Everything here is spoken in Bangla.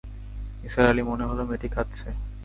নিসার আলির মনে হল, মেয়েটি কাঁদছে।